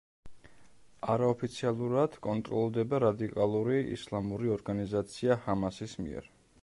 არაოფიციალურად კონტროლდება რადიკალური ისლამური ორგანიზაცია ჰამასის მიერ.